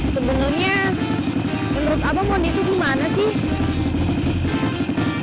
sebenernya menurut mbak mondi tuh di mana sih